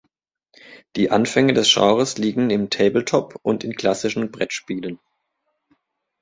Die Anfänge des Genres liegen im Tabletop und in klassischen Brettspielen.